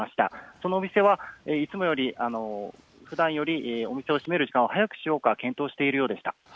その店はいつもよりふだんよりお店を閉める時間を早くしようか検討しているようでした。